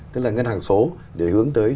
tức là ngân hàng số để hướng tới